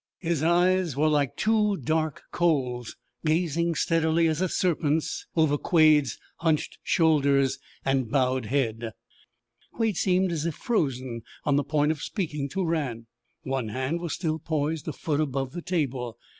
His eyes were like two dark coals gazing steadily as a serpent's over Quade's hunched shoulders and bowed head. Quade seemed as if frozen on the point of speaking to Rann. One hand was still poised a foot above the table.